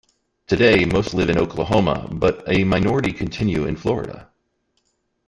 Today most live in Oklahoma, but a minority continue in Florida.